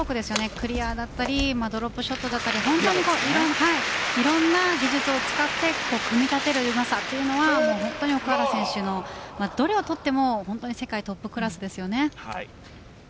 クリアだったりドロップショットだったりいろんな技術を使って組み立てるうまさというのは本当に奥原選手のどれをとっても世界トップクラスです。